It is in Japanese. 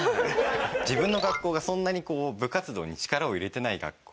自分の学校がそんなにこう部活動に力を入れてない学校で。